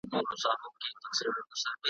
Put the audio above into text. غازي د چا وو یتیم څوک وو پلار یې چا وژلی؟ ,